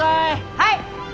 はい！